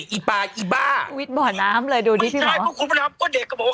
ไอ้ป่าไอ้บ้าวิดบ่อนน้ำเลยดูนี้พี่หมอไม่ใช่เพราะคุณพ่อน้ำก็เด็กก็บอกว่า